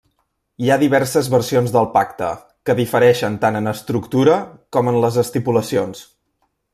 Hi ha diverses versions del pacte, que difereixen tant en estructura com en les estipulacions.